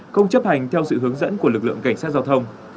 không chấp hành theo sự hướng dẫn của lực lượng cảnh sát giao thông